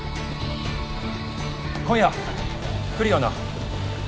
今夜来るよな？